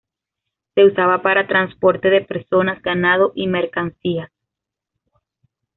Se usaba para transporte de personas, ganado y mercancías.